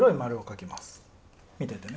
見ててね。